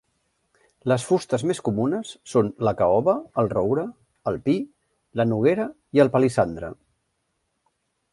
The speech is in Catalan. Les fustes més comunes són la caoba, el roure, el pi, la noguera i el palissandre.